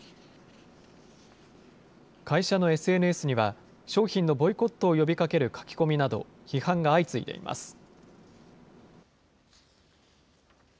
会社のＳＮＳには、商品のボイコットを呼びかける書き込みなど批判が相次いでいます。